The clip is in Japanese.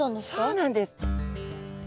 そうなんです！